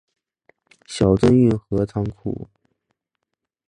小樽运河和仓库